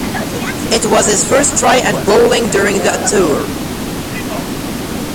It was his first try at bowling during the tour.